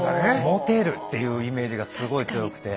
モテるっていうイメージがすごい強くて。